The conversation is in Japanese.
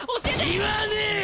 言わねよ！